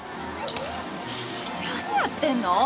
何やってるの！